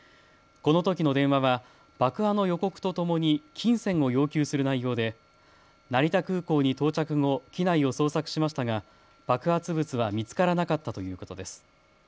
このときの電話は爆破の予告とともに金銭を要求する内容で成田空港に到着後、機内を捜索しましたが爆発物は見つからなかったということです。